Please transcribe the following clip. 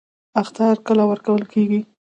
اخطار کله ورکول کیږي؟